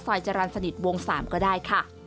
จรรย์สนิทวง๓ก็ได้ค่ะ